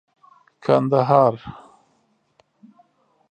کندهار